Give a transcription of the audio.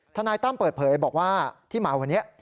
ทนายตั้มเปิดเผยบอกว่าที่มาวันนี้